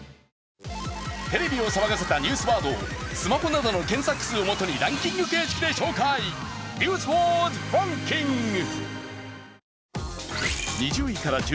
テレビを騒がせたニュースワードをスマホなどのランキング形式で紹介、「ニュースワードランキング」。